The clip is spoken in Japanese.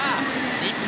日本